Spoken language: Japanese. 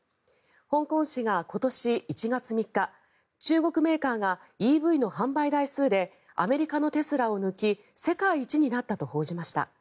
香港紙が今年１月３日中国メーカーがＥＶの販売台数でアメリカのテスラを抜き世界一になったと報じました。